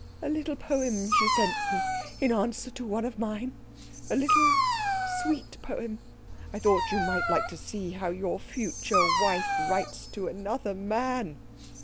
"A little poem she sent me in answer to one of mine. A little, sweet poem. I thought you might like to see how your future wife writes to another man."